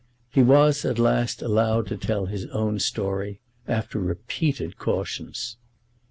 He was, at last, allowed to tell his own story, after repeated cautions.